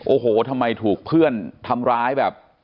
โอ้โหทำไมถูกเพื่อนทำร้ายแบบ